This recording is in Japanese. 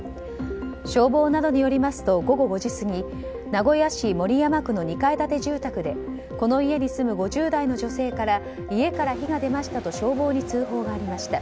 消防などによりますと午後５時過ぎ名古屋市守山区の２階建て住宅でこの家に住む５０代の女性から家から火が出ましたと消防に通報がありました。